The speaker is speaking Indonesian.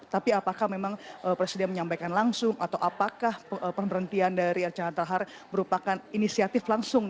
tapi apakah memang presiden menyampaikan langsung atau apakah pemberhentian dari archandrahar merupakan inisiatif langsung